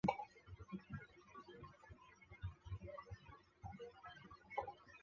西九龙中心自开幕以后商场内外装修风格和商店都没太大的转变。